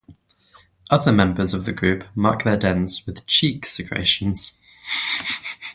Other members of the group mark their dens with cheek secretions.